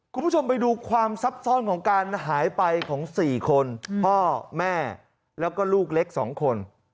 คุณผู้ชมไปดูความซับซ่อนของการหายไปของ๔คนพ่อแม่แล้วก็ลูกเล็ก๒คน